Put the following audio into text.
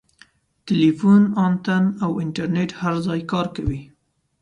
ټیلیفون انتن او انټرنیټ هر ځای کار کوي.